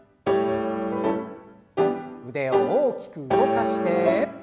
腕を大きく動かして。